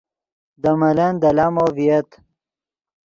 دے ملن دے لامو ڤییت